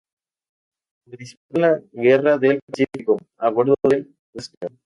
Participó en la guerra del Pacífico, a bordo del "Huáscar".